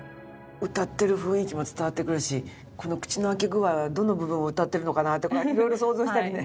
歌ってる雰囲気も伝わってくるしこの口の開け具合はどの部分を歌っているのかなとか色々想像したりね。